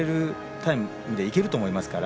タイムでいけると思いますから。